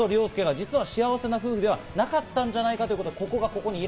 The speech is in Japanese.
実は幸せな夫婦ではなかったんじゃないかと。